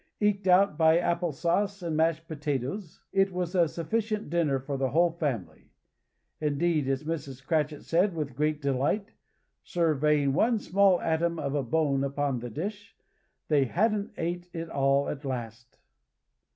Eked out by apple sauce and mashed potatoes, it was a sufficient dinner for the whole family; indeed, as Mrs. Cratchit said with great delight (surveying one small atom of a bone upon the dish), they hadn't ate it all at last!